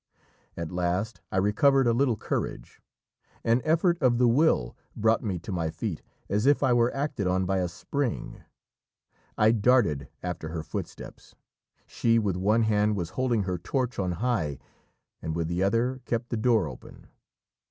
At last I recovered a little courage; an effort of the will brought me to my feet as if I were acted on by a spring; I darted after her footsteps; she with one hand was holding her torch on high, and with the other kept the door open.